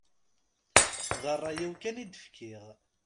D ṛṛay-iw kan i d-fkiɣ.